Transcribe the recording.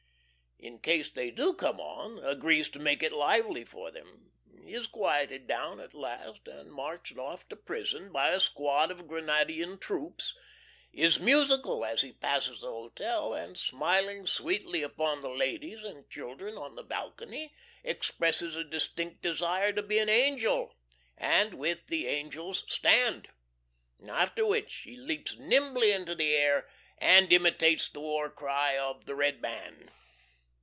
In case they do come on, agrees to make it lively for them. Is quieted down at last, and marched off to prison, by a squad of Grenadian troops. Is musical as he passes the hotel, and smiling sweetly upon the ladies and children on the balcony, expresses a distinct desire to be an Angel, and with the Angels stand. After which he leaps nimbly into the air and imitates the war cry of the red man.